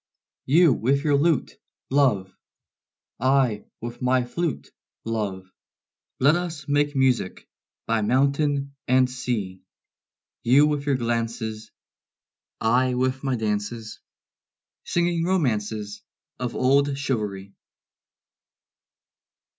You with your lute, love, I with my flute, love, Let us make music by mountain and sea; You with your glances, I with my dances, Singing romances Of old chivalry.